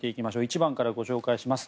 １番からご紹介します。